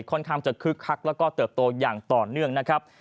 ค่อนข้างจะคึกคักแล้วก็เติบโตอย่างต่อเนื่องนะครับ